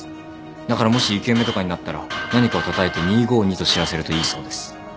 だからもし生き埋めとかになったら何かをたたいて２５２と知らせるといいそうです。